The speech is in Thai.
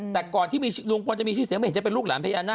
แต่ก่อนที่ลุงพลจะมีชื่อเสียงไม่เห็นจะเป็นลูกหลานพญานาค